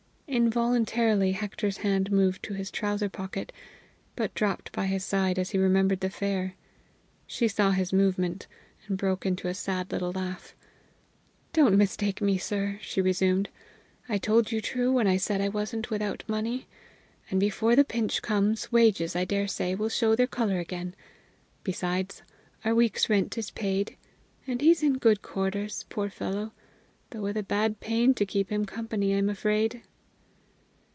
Involuntarily Hector's hand moved to his trouser pocket, but dropped by his side as he remembered the fare. She saw his movement, and broke into a sad little laugh. "Don't mistake me, sir," she resumed. "I told you true when I said I wasn't without money; and, before the pinch comes, wages, I dare say, will show their color again. Besides, our week's rent is paid. And he's in good quarters, poor fellow, though with a bad pain to keep him company, I'm afraid."